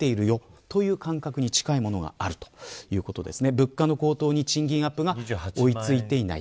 物価の高騰に賃金アップが追いついていない。